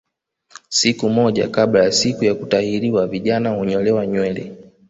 Siku moja kabla ya siku ya kutahiriwa vijana hunyolewa nywele